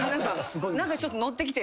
何かちょっとノってきて。